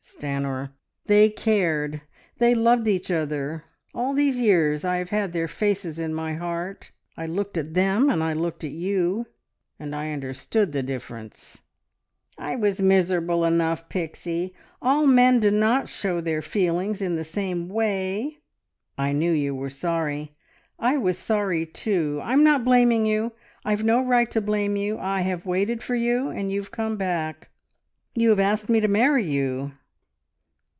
Stanor ... they ... cared! They loved each other. ... All these years I have had their faces in my heart. I looked at them, and I looked at you, and I understood the difference!" "I was miserable enough, Pixie. All men do not show their feelings in the same way." "I knew you were sorry. I was sorry, too. ... I'm not blaming you. I've no right to blame you. I have waited for you, and you've come back. You have asked me to marry you.